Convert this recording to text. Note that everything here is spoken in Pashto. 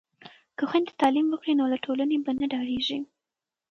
که خویندې تعلیم وکړي نو له ټولنې به نه ډاریږي.